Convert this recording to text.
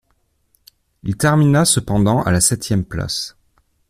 Il termina cependant à la septième place.